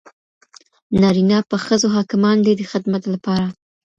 نارینه په ښځو حاکمان دي د خدمت لپاره.